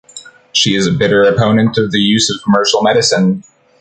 She is a bitter opponent of the use of commercial medicine.